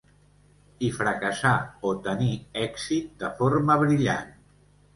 I fracassar o tenir èxit de forma brillant.